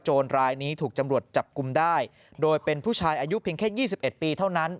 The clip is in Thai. รายนี้ถูกจำรวจจับกลุ่มได้โดยเป็นผู้ชายอายุเพียงแค่๒๑ปีเท่านั้น